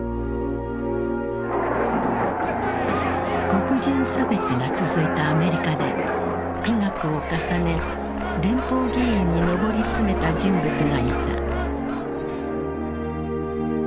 黒人差別が続いたアメリカで苦学を重ね連邦議員に上り詰めた人物がいた。